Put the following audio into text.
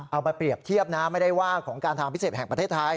เอามาเปรียบเทียบนะไม่ได้ว่าของการทางพิเศษแห่งประเทศไทย